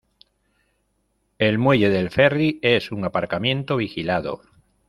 El muelle del ferry es un aparcamiento vigilado.